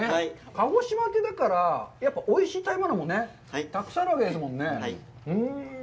鹿児島って、だから、やっぱりおいしい食べ物も、たくさんあるわけですもんね。